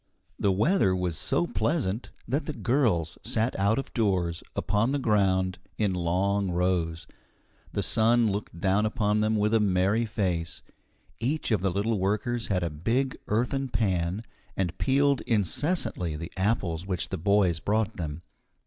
The weather was so pleasant that the girls sat out of doors, upon the ground, in long rows. The sun looked down upon them with a merry face. Each of the little workers had a big earthen pan, and peeled incessantly the apples which the boys brought them.